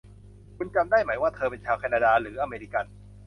คุณจำได้ไหมว่าเธอเป็นชาวแคนาดาหรืออเมริกัน